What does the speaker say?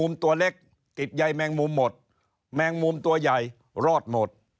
แมงมุมตัวใหญ่รอดหมด